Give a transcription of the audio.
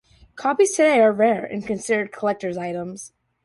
Copies today are rare and considered collector's items.